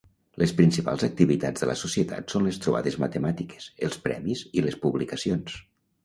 Les principals activitats de la Societat són les trobades matemàtiques, els premis i les publicacions.